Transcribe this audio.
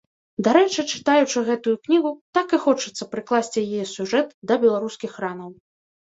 Дарэчы, чытаючы гэтую кнігу, так і хочацца прыкласці яе сюжэт да беларускіх ранаў.